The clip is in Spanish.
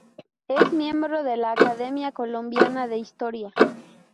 Es miembro de la Academia Colombiana de Historia.